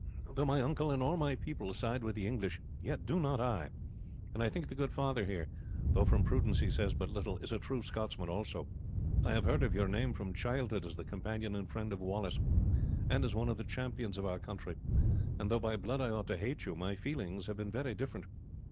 Though my uncle and all my people side with the English, yet do not I; and I think the good father here, though from prudence he says but little, is a true Scotsman also. I have heard of your name from childhood as the companion and friend of Wallace, and as one of the champions of our country; and though by blood I ought to hate you, my feelings have been very different.